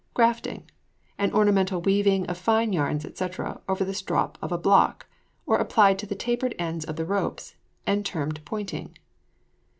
GRAFTING. An ornamental weaving of fine yarns, &c., over the strop of a block; or applied to the tapered ends of the ropes, and termed pointing.